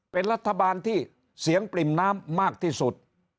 เป็นรัฐบาลที่เสียงปริ่มน้ำมากที่สุด